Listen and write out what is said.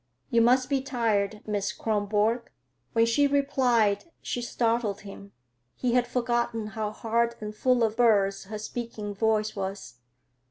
"You must be tired, Miss Kronborg." When she replied, she startled him; he had forgotten how hard and full of burs her speaking voice was.